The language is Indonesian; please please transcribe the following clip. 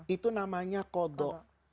itu namanya qodoh